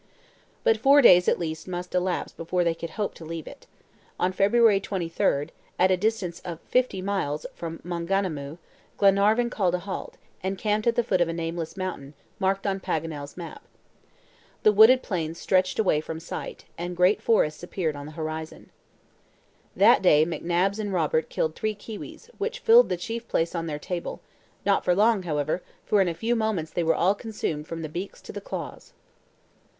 But four days at least must elapse before they could hope to leave it. On February 23, at a distance of fifty miles from Maunganamu, Glenarvan called a halt, and camped at the foot of a nameless mountain, marked on Paganel's map. The wooded plains stretched away from sight, and great forests appeared on the horizon. That day McNabbs and Robert killed three kiwis, which filled the chief place on their table, not for long, however, for in a few moments they were all consumed from the beaks to the claws.